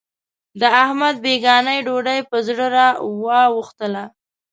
د احمد بېګانۍ ډوډۍ په زړه را وا وښتله.